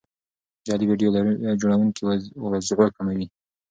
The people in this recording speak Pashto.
جعلي ویډیو جوړونکي وضوح کموي.